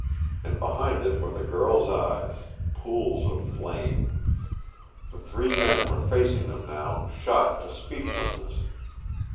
And behind it were the girl's eyes, pools of flame. The three men were facing them now, shocked to speechlessness.